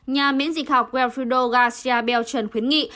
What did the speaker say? nhà miễn dịch học wellfrido garcia belchern khuyến nghị